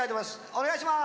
お願いします。